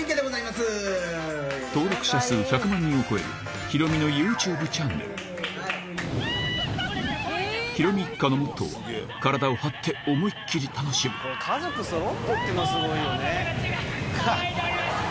登録者数１００万人を超えるヒロミのＹｏｕＴｕｂｅチャンネルヒロミ一家のモットーは体を張って思いっきり楽しむ家族そろってっていうのがスゴいよね。